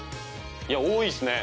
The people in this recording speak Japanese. いや多いっすね